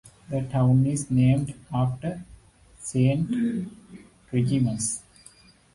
The town is named after Saint Remigius.